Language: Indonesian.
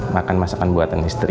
makan masakan buatan istri